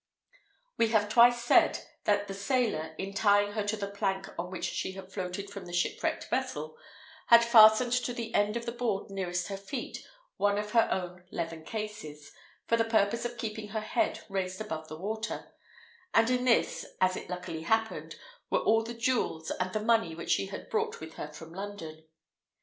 We have twice said, that the sailor, in tying her to the plank on which she had floated from the shipwrecked vessel, had fastened to the end of the board nearest her feet one of her own leathern cases, for the purpose of keeping her head raised above the water; and in this, as it luckily happened, were all the jewels and the money which she had brought with her from London.